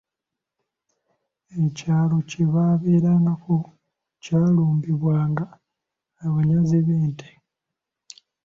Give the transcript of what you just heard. Ekyalo kye baabelangako kyalumbibwanga abanyazi b'ente.